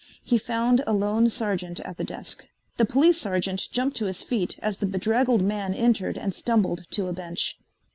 He found a lone sergeant at the desk. The police sergeant jumped to his feet as the bedraggled man entered and stumbled to a bench.